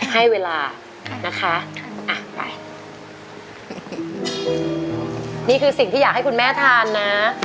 ให้เวลานะคะอ่ะไปนี่คือสิ่งที่อยากให้คุณแม่ทานนะ